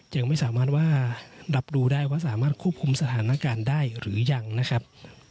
ยังไม่สามารถว่ารับรู้ได้ว่าสามารถควบคุมสถานการณ์ได้หรือยังนะครับ